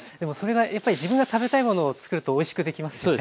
やっぱり自分が食べたいものをつくるとおいしくできますよね。